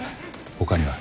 他には？